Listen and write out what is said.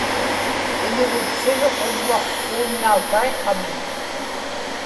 iñugiksiruq uvva uunnautaiqami